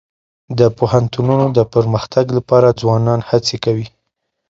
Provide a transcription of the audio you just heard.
د پوهنتونونو د پرمختګ لپاره ځوانان هڅي کوي.